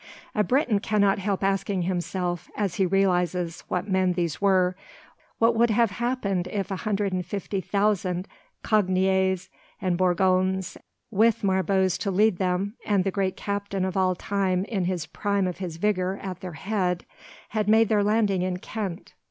A Briton cannot help asking himself, as he realizes what men these were, what would have happened if 150,000 Cogniets and Bourgognes, with Marbots to lead them, and the great captain of all time in the prime of his vigour at their head, had made their landing in Kent?